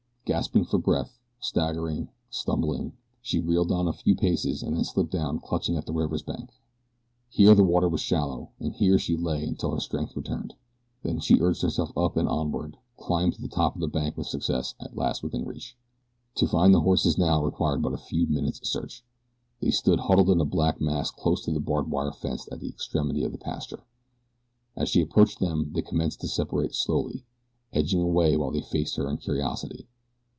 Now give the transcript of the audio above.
Gasping for breath, staggering, stumbling, she reeled on a few paces and then slipped down clutching at the river's bank. Here the water was shallow, and here she lay until her strength returned. Then she urged herself up and onward, climbed to the top of the bank with success at last within reach. To find the horses now required but a few minutes' search. They stood huddled in a black mass close to the barbed wire fence at the extremity of the pasture. As she approached them they commenced to separate slowly, edging away while they faced her in curiosity.